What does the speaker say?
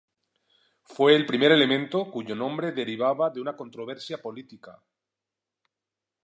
Fue el primer elemento cuyo nombre derivaba de una controversia política.